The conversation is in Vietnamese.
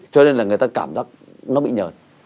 cho nên là người ta cảm giác nó bị nhờn